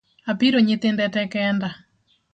Apiro nyithinde tee kenda